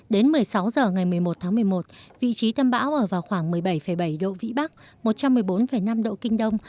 đến một mươi sáu h ngày một mươi một tháng một mươi một vị trí tâm bão ở vào khoảng một mươi bảy bảy độ vĩ bắc một trăm một mươi bốn năm độ kinh đông